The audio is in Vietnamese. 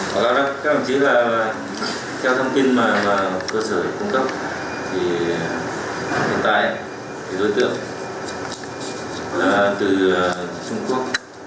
các đồng chí là theo thông tin mà cơ sở cung cấp thì hiện tại đối tượng từ trung quốc